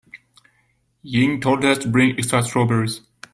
Ying told us to bring extra strawberries.